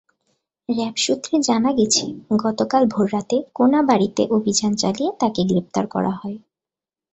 RAB সূত্রে জানা গেছে, গতকাল ভোররাতে কোনাবাড়ীতে অভিযান চালিয়ে তাঁকে গ্রেপ্তার করা হয়।